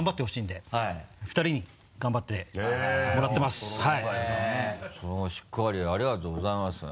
すごいしっかりありがとうございます。